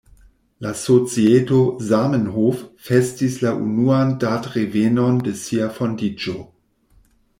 La societo „Zamenhof” festis la unuan datrevenon de sia fondiĝo.